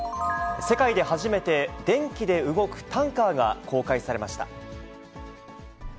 世界で初めて、電気で動くタンカーが公開されました。